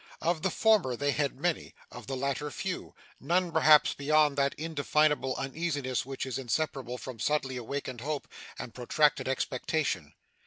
Of the former they had many, of the latter few none perhaps beyond that indefinable uneasiness which is inseparable from suddenly awakened hope, and protracted expectation.